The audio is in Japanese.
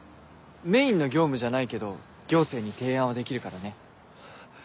メインの業務じゃないけど行政に提案はできるからね。